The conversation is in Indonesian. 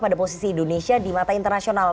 pada posisi indonesia di mata internasional